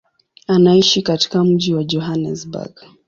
Anaishi katika mji wa Johannesburg.